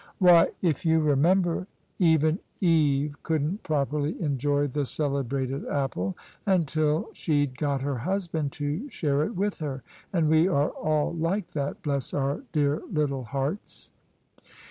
Why, if you remember, even Eve couldn't properly enjoy the celebrated apple until she'd got her husband to share it with her: and we are all like that, bless our dear little hearts!"